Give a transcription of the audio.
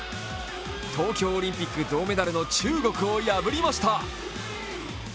東京オリンピック銅メダルの中国を破りました。